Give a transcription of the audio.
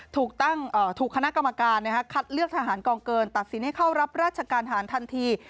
ถูกคณะกรรมการคัดเลือกทหารกองเกินตัดสินให้เข้ารับราชการฐานทันที